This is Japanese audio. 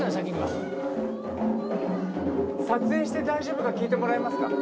撮影して大丈夫か聞いてもらえますか？